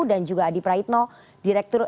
dan juga adi praitno direktur